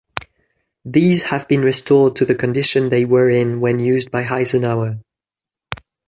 These have been restored to the condition they were in when used by Eisenhower.